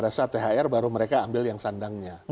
pada saat thr baru mereka ambil yang sandangnya